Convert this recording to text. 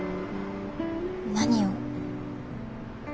何を？